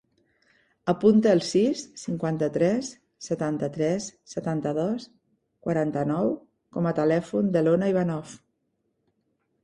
Apunta el sis, cinquanta-tres, setanta-tres, setanta-dos, quaranta-nou com a telèfon de l'Ona Ivanov.